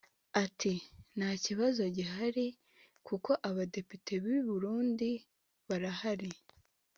Ati “Nta kibazo gihari kuko Abadepite b’i Burundi barahari